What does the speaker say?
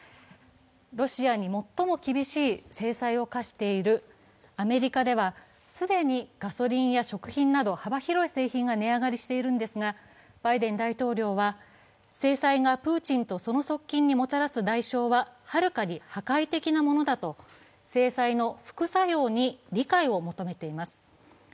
ロシアに最も厳しい制裁を科しているアメリカでは既にガソリンや食品など幅広い製品が値上がりしているんですが、バイデン大統領は制裁がプーチンとその側近にもたらす代償ははるかに破壊的なものだと制裁の副作用に理解を求めています。